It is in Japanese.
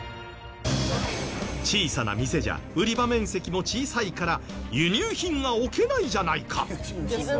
小さな店じゃ売り場面積も小さいから輸入品が置けないじゃないか。